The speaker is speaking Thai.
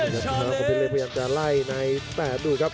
คอมเพชรเล็กพยายามจะไล่ในแปดดูครับ